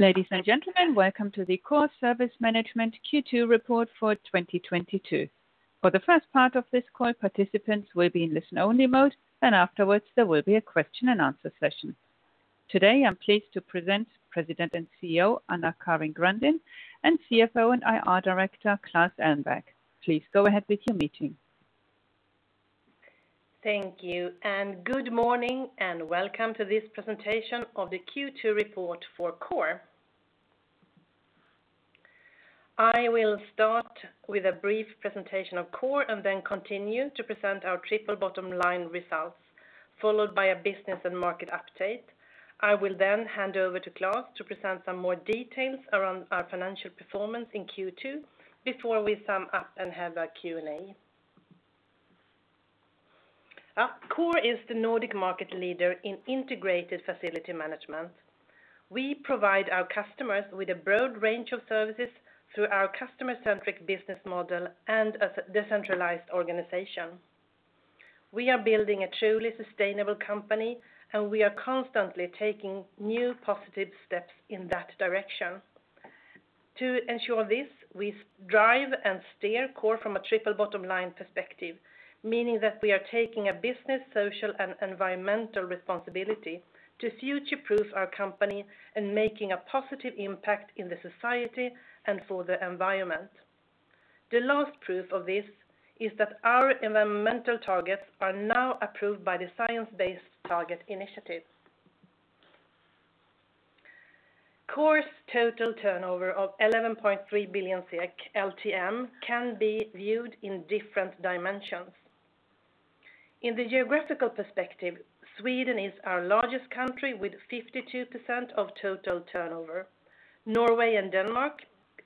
Ladies and gentlemen, welcome to the Coor Service Management Q2 Report for 2022. For the first part of this call, participants will be in listen only mode, and afterwards there will be a question and answer session. Today, I'm pleased to present President and CEO AnnaCarin Grandin, and CFO and IR Director Klas Elmberg. Please go ahead with your meeting. Thank you and good morning and welcome to this presentation of the Q2 report for Coor. I will start with a brief presentation of Coor and then continue to present our triple bottom line results, followed by a business and market update. I will then hand over to Klas to present some more details around our financial performance in Q2 before we sum up and have our Q&A. Coor is the Nordic market leader in integrated facility management. We provide our customers with a broad range of services through our customer-centric business model and a decentralized organization. We are building a truly sustainable company, and we are constantly taking new positive steps in that direction. To ensure this, we drive and steer Coor from a triple bottom line perspective, meaning that we are taking a business, social, and environmental responsibility to future-proof our company and making a positive impact in the society and for the environment. The last proof of this is that our environmental targets are now approved by the Science Based Targets initiative. Coor's total turnover of 11.3 billion LTM can be viewed in different dimensions. In the geographical perspective, Sweden is our largest country with 52% of total turnover. Norway and Denmark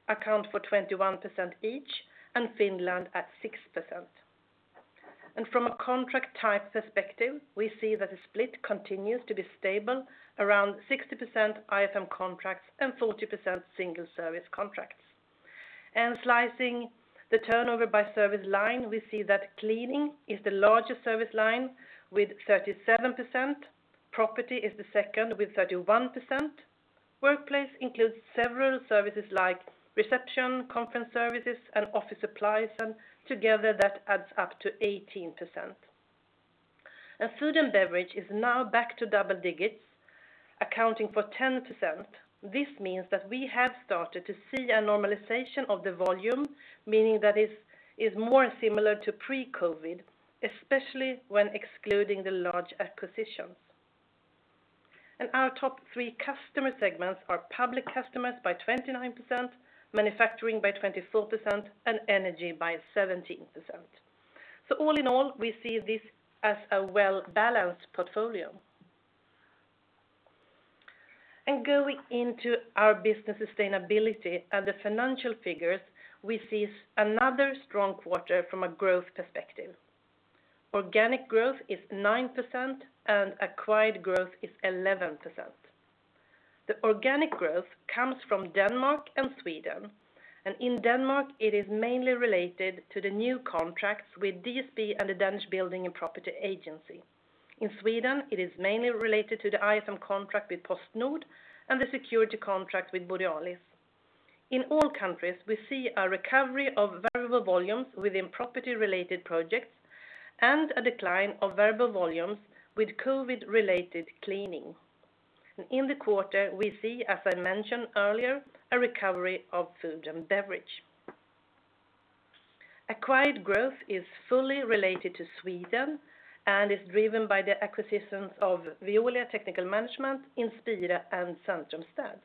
account for 21% each, and Finland at 6%. From a contract type perspective, we see that the split continues to be stable around 60% IFM contracts and 40% single service contracts. Slicing the turnover by service line, we see that cleaning is the largest service line with 37%. Property is the second with 31%. Workplace includes several services like reception, conference services, and office supplies, and together that adds up to 18%. Food and beverage is now back to double-digits, accounting for 10%. This means that we have started to see a normalization of the volume, meaning that it's more similar to pre-COVID, especially when excluding the large acquisitions. Our top three customer segments are public customers by 29%, manufacturing by 24%, and energy by 17%. All in all, we see this as a well-balanced portfolio. Going into our business sustainability and the financial figures, we see another strong quarter from a growth perspective. Organic growth is 9% and acquired growth is 11%. The organic growth comes from Denmark and Sweden, and in Denmark, it is mainly related to the new contracts with DSB and the Danish Building and Property Agency. In Sweden, it is mainly related to the IFM contract with PostNord and the security contract with Borealis. In all countries, we see a recovery of variable volumes within property-related projects and a decline of variable volumes with COVID-related cleaning. In the quarter, we see, as I mentioned earlier, a recovery of food and beverage. Acquired growth is fully related to Sweden and is driven by the acquisitions of Veolia Technical Management, Inspira, and Centrumstäd.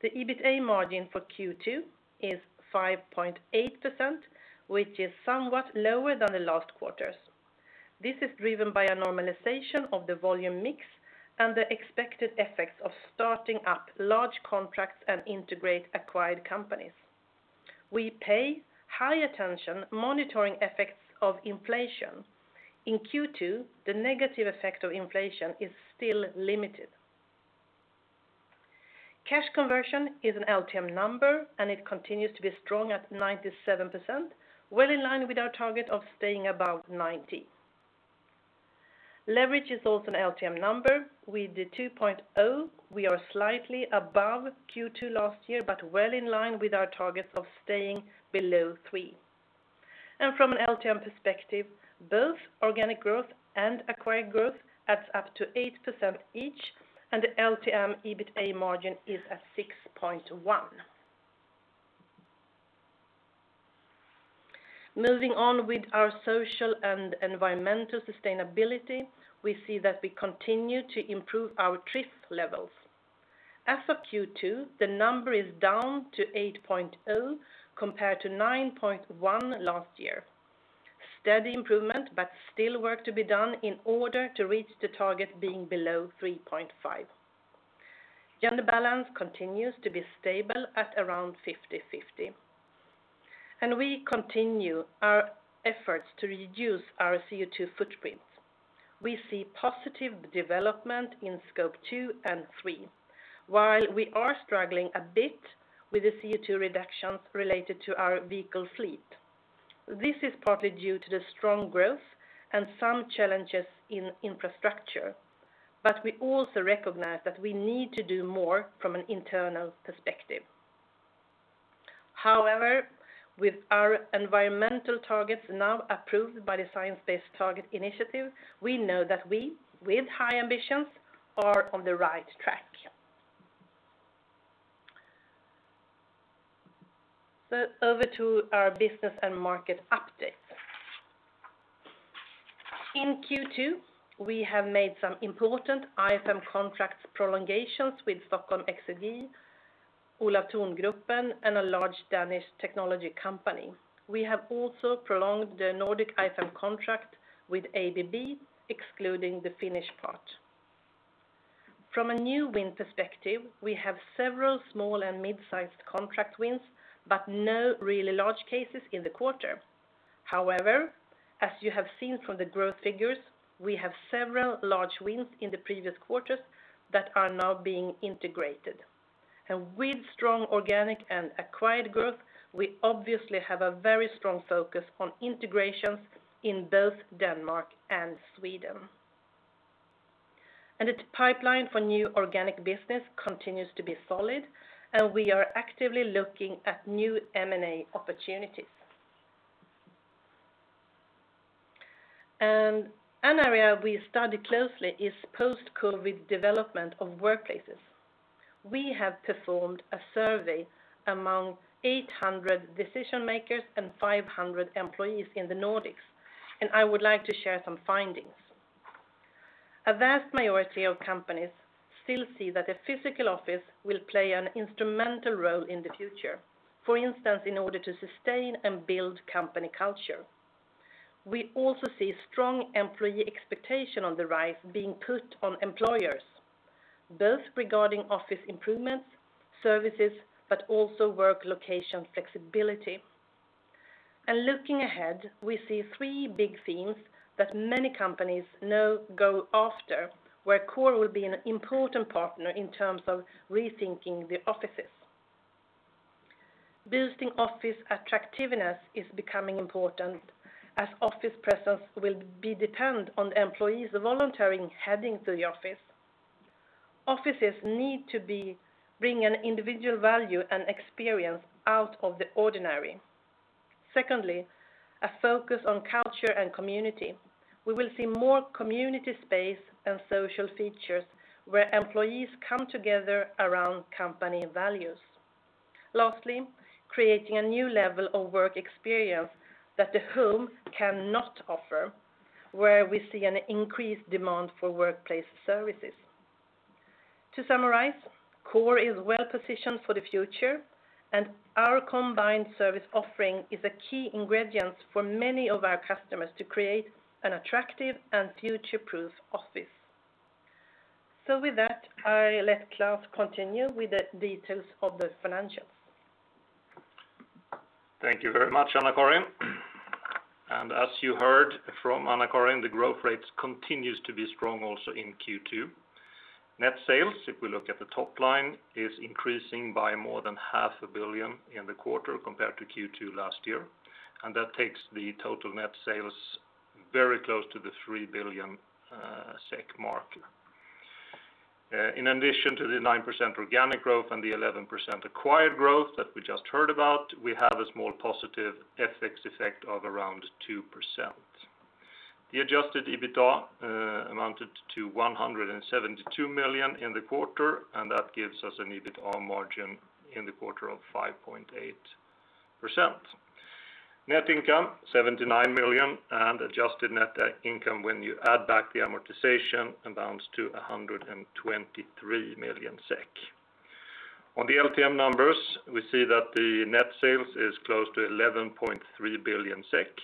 The EBITA margin for Q2 is 5.8%, which is somewhat lower than the last quarters. This is driven by a normalization of the volume mix and the expected effects of starting up large contracts and integrate acquired companies. We pay high attention monitoring effects of inflation. In Q2, the negative effect of inflation is still limited. Cash conversion is an LTM number, and it continues to be strong at 97%, well in line with our target of staying above 90%. Leverage is also an LTM number. With the 2.0, we are slightly above Q2 last year, but well in line with our targets of staying below 3. From an LTM perspective, both organic growth and acquired growth adds up to 8% each, and the LTM EBITA margin is at 6.1%. Moving on with our social and environmental sustainability, we see that we continue to improve our TRIR levels. As of Q2, the number is down to 8.0 compared to 9.1 last year. Steady improvement, but still work to be done in order to reach the target being below 3.5. Gender balance continues to be stable at around 50/50. We continue our efforts to reduce our CO2 footprint. We see positive development in Scope 2 and 3, while we are struggling a bit with the CO2 reductions related to our vehicle fleet. This is partly due to the strong growth and some challenges in infrastructure. We also recognize that we need to do more from an internal perspective. However, with our environmental targets now approved by the Science Based Targets initiative, we know that we, with high ambitions, are on the right track. Over to our business and market updates. In Q2, we have made some important IFM contracts prolongations with Stockholm Exergi, Olav Thon Gruppen, and a large Danish technology company. We have also prolonged the Nordic IFM contract with ABB, excluding the Finnish part. From a new win perspective, we have several small and mid-sized contract wins, but no really large cases in the quarter. However, as you have seen from the growth figures, we have several large wins in the previous quarters that are now being integrated. With strong organic and acquired growth, we obviously have a very strong focus on integrations in both Denmark and Sweden. Its pipeline for new organic business continues to be solid, and we are actively looking at new M&A opportunities. An area we study closely is post-COVID development of workplaces. We have performed a survey among 800 decision-makers and 500 employees in the Nordics, and I would like to share some findings. A vast majority of companies still see that a physical office will play an instrumental role in the future, for instance, in order to sustain and build company culture. We also see strong employee expectation on the rise being put on employers, both regarding office improvements, services, but also work location flexibility. Looking ahead, we see three big themes that many companies now go after, where Coor will be an important partner in terms of rethinking the offices. Boosting office attractiveness is becoming important as office presence will be dependent on employees volunteering heading to the office. Offices need to bring an individual value and experience out of the ordinary. Secondly, a focus on culture and community. We will see more community space and social features where employees come together around company values. Lastly, creating a new level of work experience that the home cannot offer, where we see an increased demand for workplace services. To summarize, Coor is well-positioned for the future, and our combined service offering is a key ingredient for many of our customers to create an attractive and future-proof office. With that, I let Klas continue with the details of the financials. Thank you very much, AnnaCarin. As you heard from AnnaCarin, the growth rate continues to be strong also in Q2. Net sales, if we look at the top line, is increasing by more than 500 million, in the quarter compared to Q2 last year. That takes the total net sales very close to the 3 billion SEK mark. In addition to the 9% organic growth and the 11% acquired growth that we just heard about, we have a small positive FX effect of around 2%. The adjusted EBITDA amounted to 172 million in the quarter, and that gives us an EBITDA margin in the quarter of 5.8%. Net income, 79 million, and adjusted net income, when you add back the amortization, amounts to 123 million SEK. On the LTM numbers, we see that the net sales is close to 11.3 billion SEK.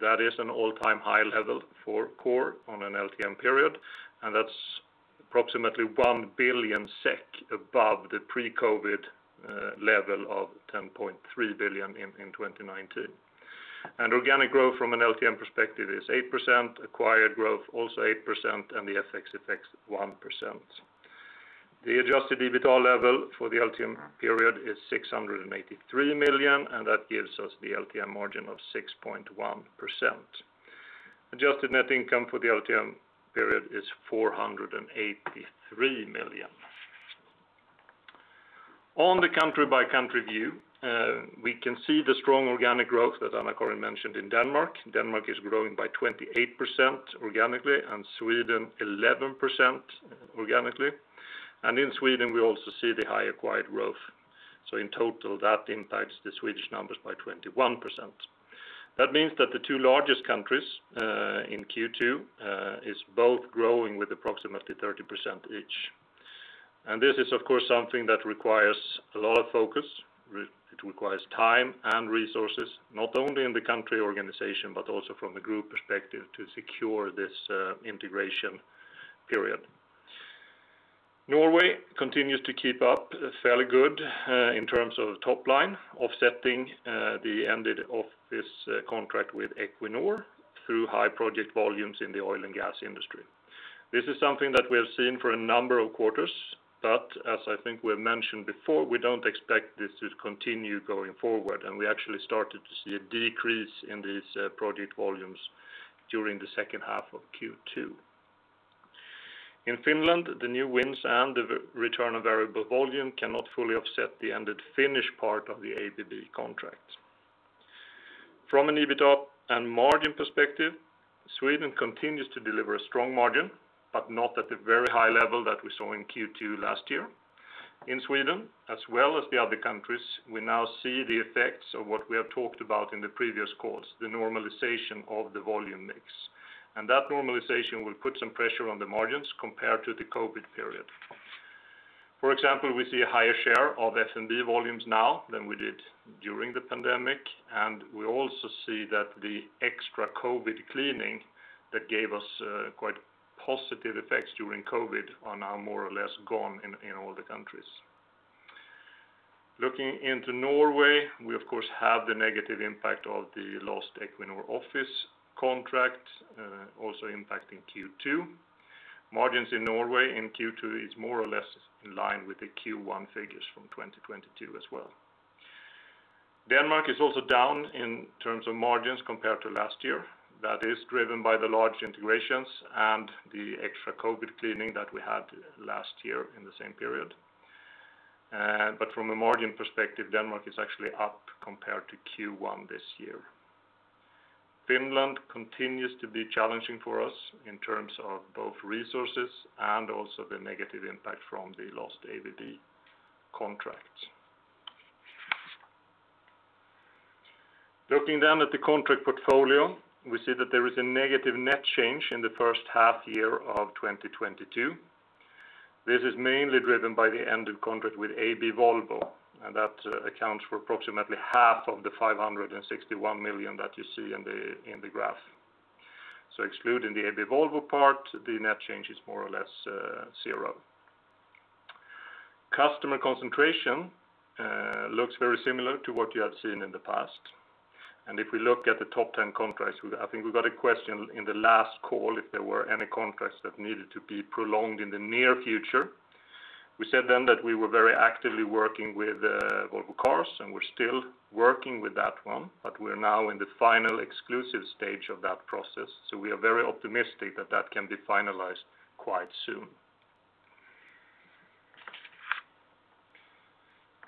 That is an all-time high level for Coor on an LTM period, and that's approximately 1 billion SEK above the pre-COVID level of 10.3 billion in 2019. Organic growth from an LTM perspective is 8%, acquired growth also 8%, and the FX effect, 1%. The adjusted EBITDA level for the LTM period is 683 million, and that gives us the LTM margin of 6.1%. Adjusted net income for the LTM period is 483 million. On the country-by-country view, we can see the strong organic growth that AnnaCarin mentioned in Denmark. Denmark is growing by 28% organically, and Sweden 11% organically. In Sweden, we also see the high acquired growth. In total, that impacts the Swedish numbers by 21%. That means that the two largest countries in Q2 is both growing with approximately 30% each. This is, of course, something that requires a lot of focus. It requires time and resources, not only in the country organization, but also from the group perspective to secure this integration period. Norway continues to keep up fairly good in terms of top line, offsetting the ended office contract with Equinor through high project volumes in the oil and gas industry. This is something that we have seen for a number of quarters, but as I think we've mentioned before, we don't expect this to continue going forward, and we actually started to see a decrease in these project volumes during the second half of Q2. In Finland, the new wins and the return of variable volume cannot fully offset the ended Finnish part of the ABB contract. From an EBITA and margin perspective, Sweden continues to deliver a strong margin, but not at the very high level that we saw in Q2 last year. In Sweden, as well as the other countries, we now see the effects of what we have talked about in the previous calls, the normalization of the volume mix. That normalization will put some pressure on the margins compared to the COVID period. For example, we see a higher share of F&B volumes now than we did during the pandemic, and we also see that the extra COVID cleaning that gave us quite positive effects during COVID are now more or less gone in all the countries. Looking into Norway, we of course have the negative impact of the lost Equinor office contract, also impacting Q2. Margins in Norway in Q2 is more or less in line with the Q1 figures from 2022 as well. Denmark is also down in terms of margins compared to last year. That is driven by the large integrations and the extra COVID cleaning that we had last year in the same period. From a margin perspective, Denmark is actually up compared to Q1 this year. Finland continues to be challenging for us in terms of both resources and also the negative impact from the lost ABB contracts. Looking down at the contract portfolio, we see that there is a negative net change in the first half year of 2022. This is mainly driven by the end of contract with AB Volvo, and that accounts for approximately 1/2 of the 561 million that you see in the graph. Excluding the AB Volvo part, the net change is more or less zero. Customer concentration looks very similar to what you have seen in the past. If we look at the top ten contracts, I think we got a question in the last call if there were any contracts that needed to be prolonged in the near future. We said then that we were very actively working with Volvo Cars, and we're still working with that one, but we're now in the final exclusive stage of that process. We are very optimistic that that can be finalized quite soon.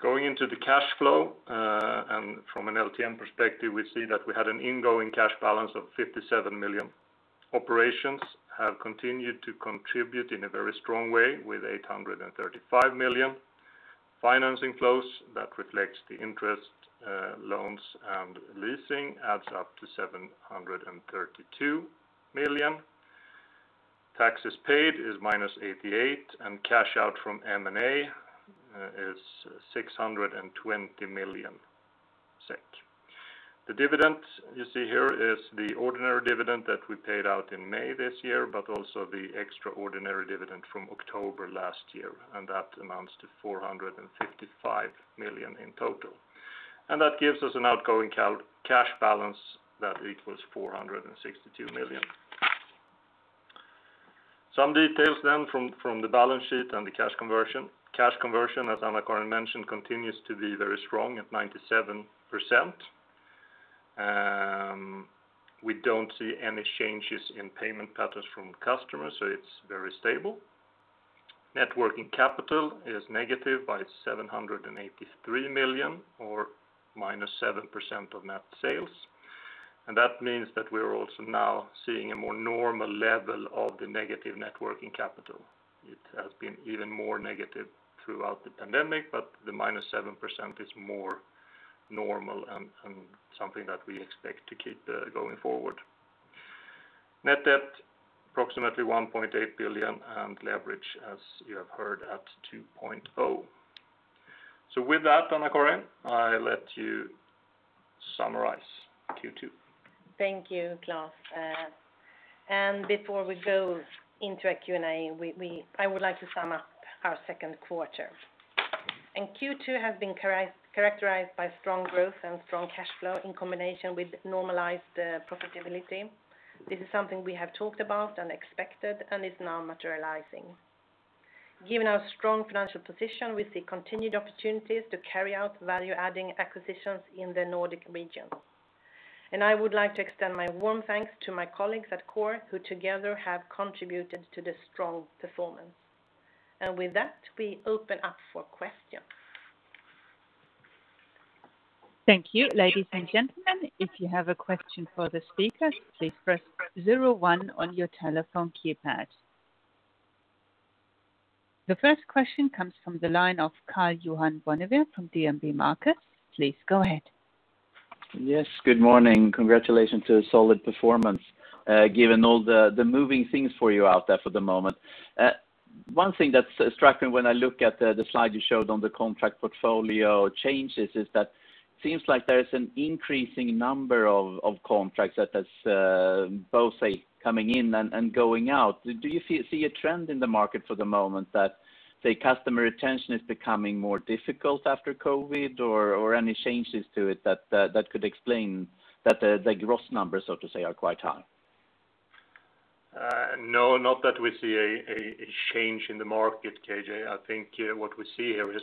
Going into the cash flow, and from an LTM perspective, we see that we had an incoming cash balance of 57 million. Operations have continued to contribute in a very strong way with 835 million. Financing flows, that reflects the interest, loans, and leasing adds up to 732 million. Taxes paid is -88 million, and cash out from M&A is 620 million SEK. The dividend you see here is the ordinary dividend that we paid out in May this year, but also the extraordinary dividend from October last year, and that amounts to 455 million in total. That gives us an outgoing cash balance that equals 462 million. Some details then from the balance sheet and the cash conversion. Cash conversion, as AnnaCarin mentioned, continues to be very strong at 97%. We don't see any changes in payment patterns from customers, so it's very stable. Net working capital is negative by 783 million or -7% of net sales. That means that we're also now seeing a more normal level of the negative net working capital. It has been even more negative throughout the pandemic, but the -7% is more normal and something that we expect to keep going forward. Net debt, approximately 1.8 billion, and leverage, as you have heard, at 2.0. With that, AnnaCarin, I let you summarize Q2. Thank you, Klas. Before we go into a Q&A, I would like to sum up our second quarter. Q2 has been characterized by strong growth and strong cash flow in combination with normalized profitability. This is something we have talked about and expected, and is now materializing. Given our strong financial position, we see continued opportunities to carry out value-adding acquisitions in the Nordic region. I would like to extend my warm thanks to my colleagues at Coor, who together have contributed to the strong performance. With that, we open up for questions. Thank you. Ladies and gentlemen, if you have a question for the speakers, please press zero one on your telephone keypad. The first question comes from the line of Karl-Johan Bonnevier from DNB Markets. Please go ahead. Yes, good morning. Congratulations to a solid performance, given all the moving things for you out there for the moment. One thing that's striking when I look at the slide you showed on the contract portfolio changes is that seems like there is an increasing number of contracts that is both, say, coming in and going out. Do you see a trend in the market for the moment that, say, customer retention is becoming more difficult after COVID or any changes to it that could explain that the gross numbers, so to say, are quite high? No, not that we see a change in the market, KJ. I think what we see here is,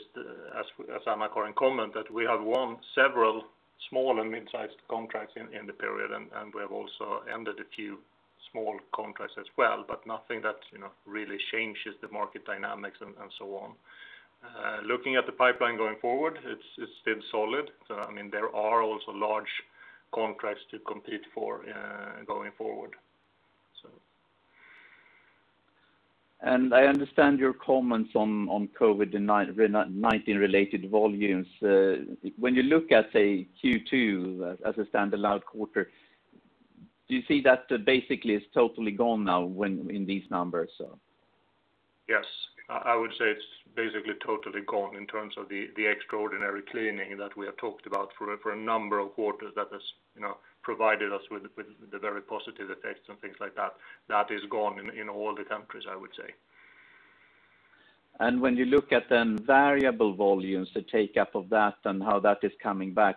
as AnnaCarin comments, that we have won several small and mid-sized contracts in the period, and we have also ended a few small contracts as well, but nothing that, you know, really changes the market dynamics and so on. Looking at the pipeline going forward, it's been solid. I mean, there are also large contracts to compete for, going forward. I understand your comments on COVID-19 related volumes. When you look at, say, Q2 as a standalone quarter, do you see that basically it's totally gone now when in these numbers? Yes. I would say it's basically totally gone in terms of the extraordinary cleaning that we have talked about for a number of quarters that has, you know, provided us with the very positive effects and things like that. That is gone in all the countries, I would say. When you look at the variable volumes, the take-up of that, and how that is coming back,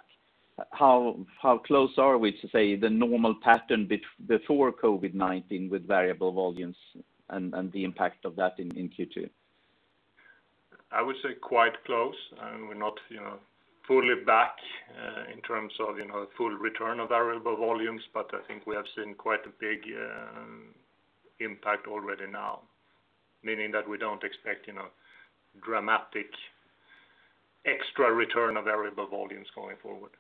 how close are we to, say, the normal pattern before COVID-19 with variable volumes and the impact of that in Q2? I would say quite close, and we're not, you know, fully back in terms of, you know, full return of variable volumes. I think we have seen quite a big impact already now, meaning that we don't expect, you know, dramatic extra return of variable volumes going forward.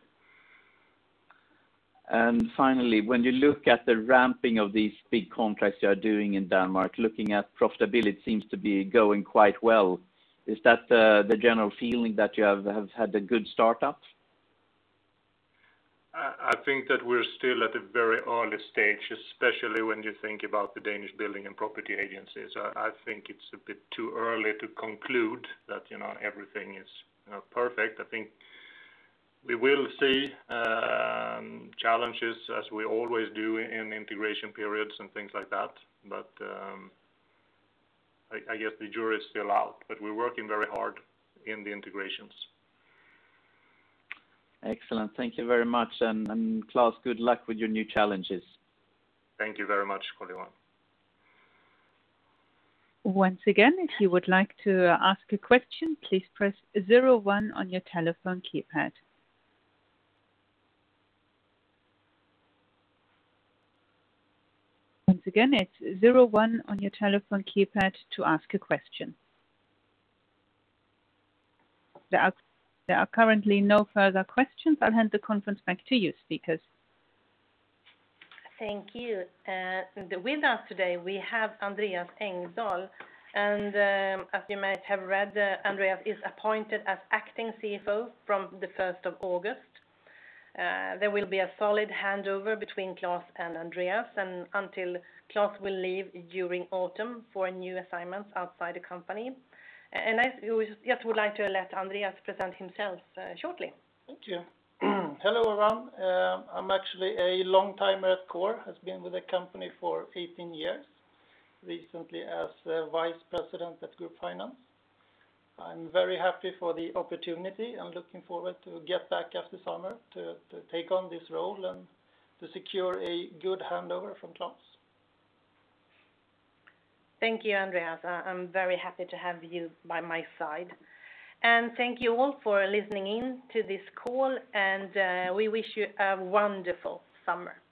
Finally, when you look at the ramping of these big contracts you are doing in Denmark, looking at profitability seems to be going quite well. Is that the general feeling that you have had a good startup? I think that we're still at a very early stage, especially when you think about the Danish Building and Property Agency. I think it's a bit too early to conclude that, you know, everything is, you know, perfect. I think we will see challenges as we always do in integration periods and things like that. I guess the jury is still out, but we're working very hard in the integrations. Excellent. Thank you very much. Klas, good luck with your new challenges. Thank you very much, Karl-Johan. Once again, if you would like to ask a question, please press zero one on your telephone keypad. Once again, it's zero one on your telephone keypad to ask a question. There are currently no further questions. I'll hand the conference back to you, speakers. Thank you. With us today we have Andreas Engdahl, and as you might have read, Andreas is appointed as Acting CFO from the 1st of August. There will be a solid handover between Klas and Andreas, and until Klas will leave during autumn for a new assignment outside the company. I just would like to let Andreas present himself, shortly. Thank you. Hello, everyone. I'm actually a long-timer at Coor, has been with the company for 18 years, recently as Vice President at Group Finance. I'm very happy for the opportunity. I'm looking forward to get back after summer to take on this role and to secure a good handover from Klas. Thank you, Andreas. I'm very happy to have you by my side. Thank you all for listening in to this call, and we wish you a wonderful summer.